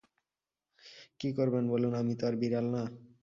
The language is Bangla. কি করবেন বলুন, আমি তো আর বিড়াল না।